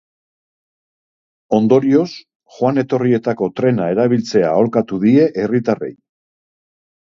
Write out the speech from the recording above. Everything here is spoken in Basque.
Ondorioz, joan-etorrietarako trena erabiltzea aholkatu die herritarrei.